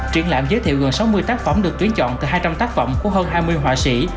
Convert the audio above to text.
triển lãm giới thiệu gần sáu mươi tác phẩm được tuyến chọn từ hai trăm linh tác phẩm của hơn hai mươi họa sĩ